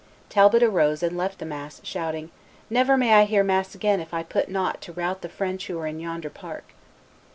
Talbot arose and left the mass, shouting, "Never may I hear mass again if I put not to rout the French who are in yonder park."